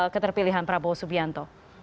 keterpilihan prabowo subianto